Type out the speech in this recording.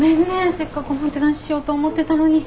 せっかくおもてなししようと思ってたのに。